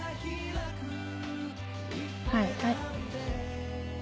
はいはい。